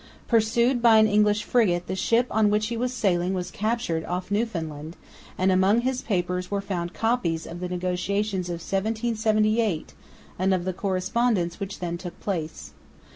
Pursued by an English frigate, the ship on which he was sailing was captured off Newfoundland; and among his papers were found copies of the negotiations of 1778 and of the correspondence which then took place.